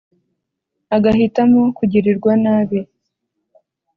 agahitamo kugirirwa nabi